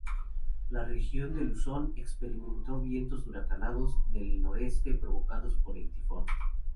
La región de Luzón experimentó vientos huracanados del noreste provocados por el tifón.